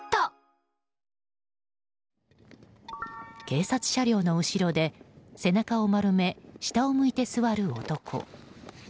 警察車両の後ろで背中を丸め、下を向いて座る男。